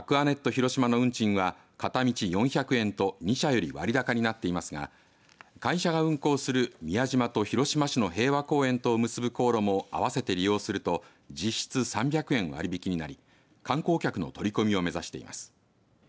広島の運賃は片道４００円と２社より割高になっていますが会社が運航する宮島と広島市の平和公園とを結ぶ航路も合わせて利用すると実質３００円割引になり観光客の取り込みを目指しています。